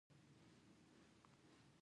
د پکتیا په ځاځي اریوب کې کرومایټ شته.